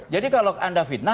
jadi kalau anda fitnah